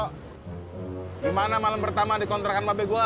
gimana malam pertama di kontrakan mabego